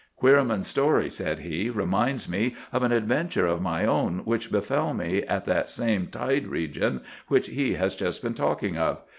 "Queerman's story," said he, "reminds me of an adventure of my own, which befell me in that same tide region which he has just been talking of.